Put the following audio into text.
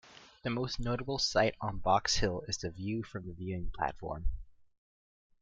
The most notable sight on Box Hill is the view from the viewing platform.